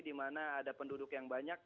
dimana ada penduduk yang banyak